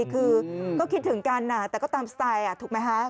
คือก็คิดถึงกันแต่ก็ตามสไตล์ถูกไหมคะ